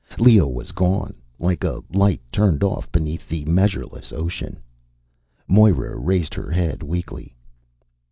Leo was gone, like a light turned off beneath the measureless ocean. Moira raised her head weakly.